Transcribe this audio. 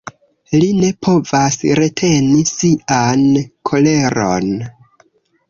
Li ne povas reteni sian koleron.